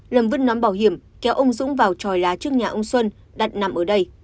lầm vứt nón bảo hiểm kéo ông dũng vào tròi lá trước nhà ông xuân đặt nằm ở đây